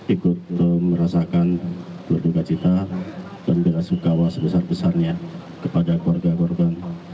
ikut merasakan berduga cita dan berasukawa sebesar besarnya kepada keluarga korban